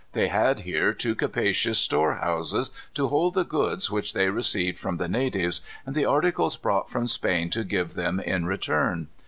They had here two capacious store houses, to hold the goods which they received from the natives, and the articles brought from Spain to give to them in return.